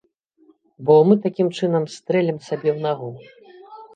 Бо мы такім чынам стрэлім сабе ў нагу.